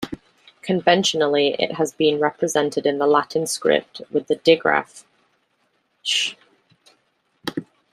Conventionally it has been represented in the Latin script with the digraph "zh".